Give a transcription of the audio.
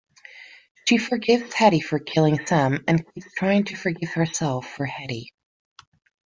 She forgives Hedy for killing Sam, and keeps trying to forgive herself for Hedy.